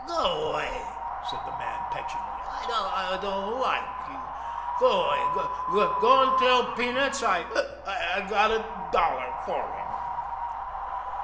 "Go 'way!" said the man petulantly. "I don't like you. Go 'way! Go an' tell peanuts I hic! got a dollar for him."